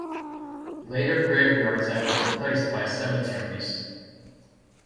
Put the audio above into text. Later graveyards have been replaced by cemeteries.